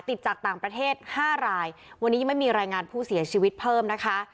ติดจากต่างประเทศ๕รายวันนี้ยังไม่มีรายงานผู้เสียชีวิตเพิ่มนะคะ